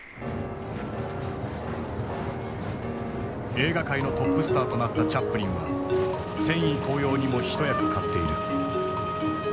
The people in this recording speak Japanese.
映画界のトップスターとなったチャップリンは戦意高揚にも一役買っている。